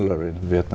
đặc biệt là